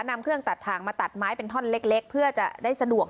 นำเครื่องตัดทางมาตัดไม้เป็นท่อนเล็กเพื่อจะได้สะดวก